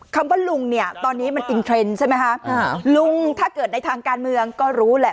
คำว่าลุงเนี่ยตอนนี้มันอินเทรนด์ใช่ไหมคะลุงถ้าเกิดในทางการเมืองก็รู้แหละ